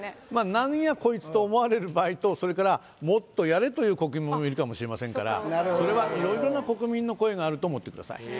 何やこいつと思われる場合とそれからもっとやれという国民もいるかもしれませんからそれは色々な国民の声があると思ってください